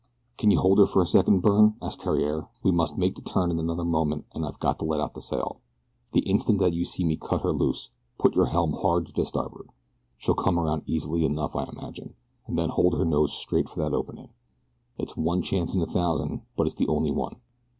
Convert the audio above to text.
"Can you hold her alone for a second, Byrne?" asked Theriere. "We must make the turn in another moment and I've got to let out sail. The instant that you see me cut her loose put your helm hard to starboard. She'll come around easy enough I imagine, and then hold her nose straight for that opening. It's one chance in a thousand; but it's the only one.